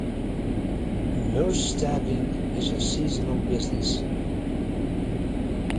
Nurse staffing is a seasonal business.